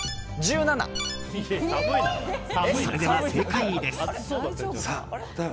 それでは正解です。